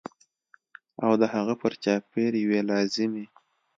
او د هغه پر چاپېر یوې لازمي